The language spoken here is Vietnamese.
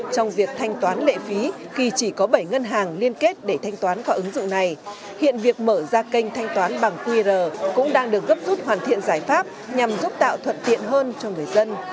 trong việc thanh toán lệ phí khi chỉ có bảy ngân hàng liên kết để thanh toán qua ứng dụng này hiện việc mở ra kênh thanh toán bằng qr cũng đang được gấp rút hoàn thiện giải pháp nhằm giúp tạo thuận tiện hơn cho người dân